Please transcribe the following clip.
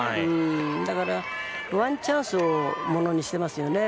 だから、ワンチャンスをものにしていますよね